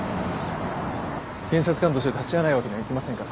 検察官として立ち会わないわけにはいきませんから。